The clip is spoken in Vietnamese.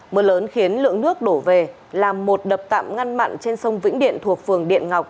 mưa lớn khiến lượng nước đổ về làm một đập tạm ngăn mặn trên sông vĩnh điện thuộc phường điện ngọc